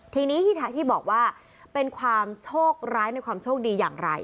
ทีนี้ที่บอกว่าเป็นความโชคร้ายในความโชคดีอย่างไร